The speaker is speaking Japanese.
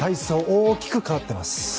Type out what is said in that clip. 大きく変わっています。